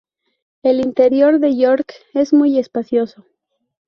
El interior de York es muy espacioso.